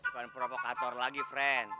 bukan provokator lagi pren